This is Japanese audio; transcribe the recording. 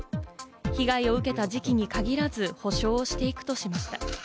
被害を受けた時期に限らず補償していくとしました。